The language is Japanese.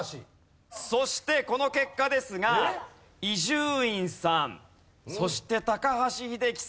そしてこの結果ですが伊集院さんそして高橋英樹さん